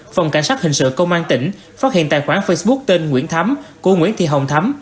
phòng cảnh sát hình sự công an tỉnh phát hiện tài khoản facebook tên nguyễn thấm của nguyễn thị hồng thấm